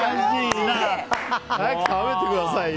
早く食べてくださいよ！